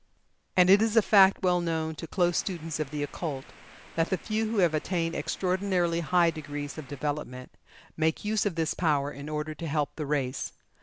And it is a fact well known to close students of the occult, that the few who have attained extraordinarily high degrees of development, make use of this power in order to help the race.